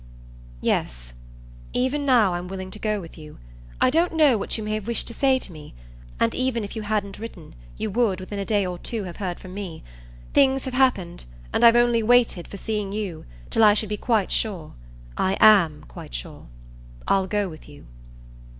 "Yes even now I'm willing to go with you. I don't know what you may have wished to say to me, and even if you hadn't written you would within a day or two have heard from me. Things have happened, and I've only waited, for seeing you, till I should be quite sure. I AM quite sure. I'll go with you."